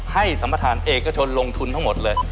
สัมประธานเอกชนลงทุนทั้งหมดเลย